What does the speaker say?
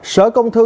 sở công thư